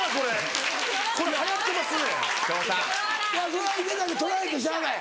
それは池崎取られてしゃあない。